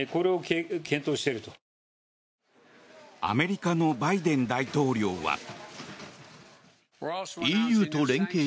アメリカのバイデン大統領は。